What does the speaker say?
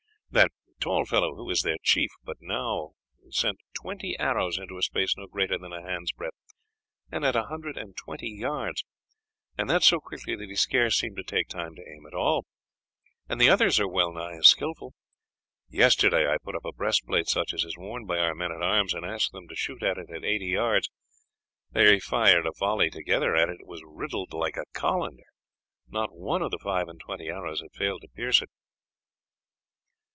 That tall fellow, who is their chief, but now sent twenty arrows into a space no greater than a hand's breadth, at a hundred and twenty yards, and that so quickly that he scarce seemed to take time to aim at all, and the others are well nigh as skilful. Yesterday I put up a breastplate such as is worn by our men at arms and asked them to shoot at it at eighty yards. They fired a volley together at it. It was riddled like a colander; not one of the five and twenty arrows had failed to pierce it."